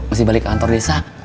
masih balik kantor desa